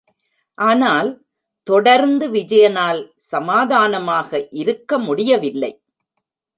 ஆனால் தொடர்ந்து விஜயனால் சமாதானமாக இருக்க முடியவில்லை.